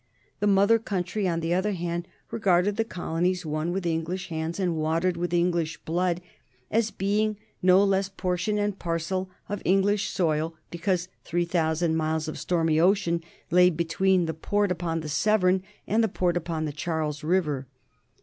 The mother country, on the other hand, regarded the colonies, won with English hands and watered with English blood, as being no less portion and parcel of English soil because three thousand miles of stormy ocean lay between the port upon the Severn and the port upon the Charles River.